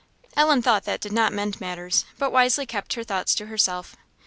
Ellen thought that did not mend matters, but wisely kept her thoughts to herself.